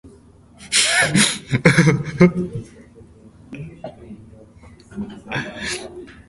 A German scholar did the work, and Muller appropriated the credit for it.